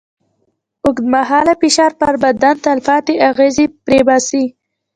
اوږدمهاله فشار پر بدن تلپاتې اغېزه پرېباسي.